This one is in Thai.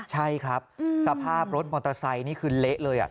ใช่ครับสภาพรถมอเตอร์ไซค์นี่คือเละเลย